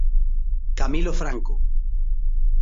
Camilo Franco.